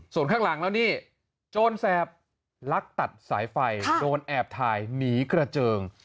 ส่วนข้างหลังแล้วนี่โจรแสบลักตัดสายไฟโดนแอบถ่ายหนีกระเจิง